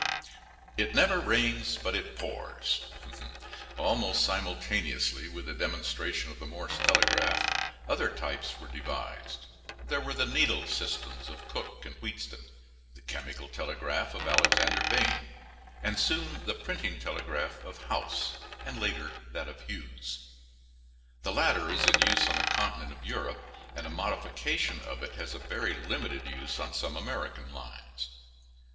"It never rains but it pours." Almost simultaneously with the demonstration of the Morse telegraph other types were devised. There were the needle systems of Cooke and Wheatstone, the chemical telegraph of Alexander Bain, and soon the printing telegraph of House, and later that of Hughes. The latter is in use on the continent of Europe, and a modification of it has a very limited use on some American lines.